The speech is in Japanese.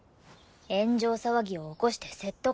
炎上騒ぎを起こして説得するの。